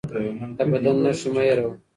د بدن نښې مه هېروه